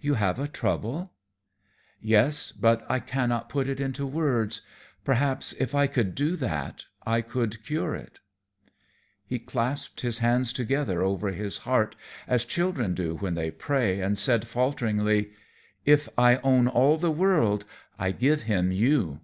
"You have a trouble?" "Yes, but I cannot put it into words. Perhaps if I could do that, I could cure it." He clasped his hands together over his heart, as children do when they pray, and said falteringly, "If I own all the world, I give him you."